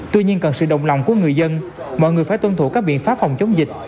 tuy nhiên cần sự đồng lòng của người dân mọi người phải tuân thủ các biện pháp phòng chống dịch